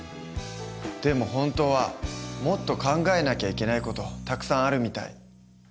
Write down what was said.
でも本当はもっと考えなきゃいけない事たくさんあるみたい。